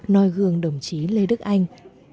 nòi gương đồng chí lê đức anh